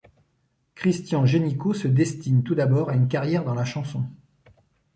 Christian Génicot se destine tout d'abord à une carrière dans la chanson.